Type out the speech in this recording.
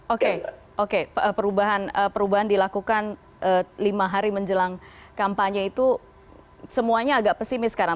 oke oke perubahan dilakukan lima hari menjelang kampanye itu semuanya agak pesimis sekarang